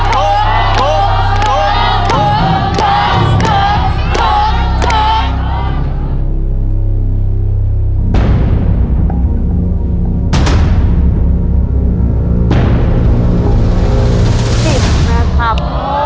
ขอบคุณครับ